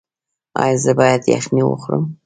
ایا زه باید یخني وخورم؟